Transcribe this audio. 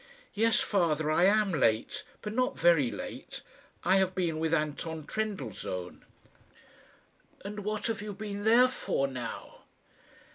"Yes, father, I am late; but not very late. I have been with Anton Trendellsohn." "And what have you been there for now?"